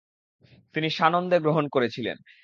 তিনি সানন্দে গ্রহণ করেছিলেন।